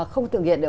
không tưởng hiện được